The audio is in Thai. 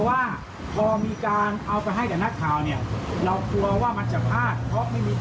แคทก็เลยเข้าไปซึ่งในวันที่ลงพื้นที่เนี่ย